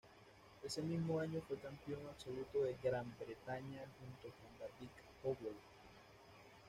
Ese mismo año fue campeón absoluto de Gran Bretaña junto con David Howell.